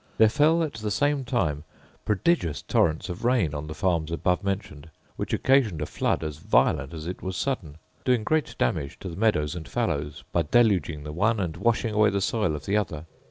There fell at the same time prodigious torrents of rain on the farms above mentioned, which occasioned a flood as violent as it was sudden; doing great damage to the meadows and fallows, by deluging the one and washing away the soil of the other.